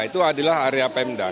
itu adalah area pemda